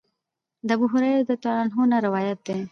د ابوهريره رضی الله عنه نه روايت دی :